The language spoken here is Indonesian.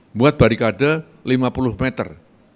membuat barikade lima puluh meter